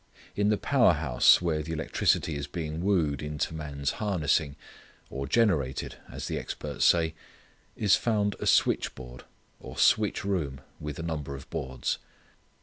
In the power house where the electricity is being wooed into man's harnessing, or generated, as the experts say, is found a switchboard, or switch room with a number of boards.